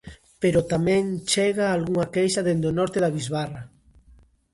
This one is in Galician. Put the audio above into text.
Pero tamén chega algunha queixa dende o norte da bisbarra.